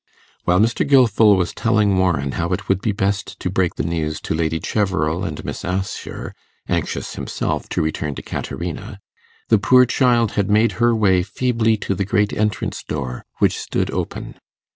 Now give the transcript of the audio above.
While Mr. Gilfil was telling Warren how it would be best to break the news to Lady Cheverel and Miss Assher, anxious himself to return to Caterina, the poor child had made her way feebly to the great entrance door, which stood open.